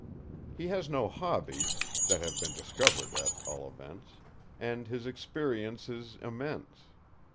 He has no hobbies—that have been discovered at all events; and his experience is immense.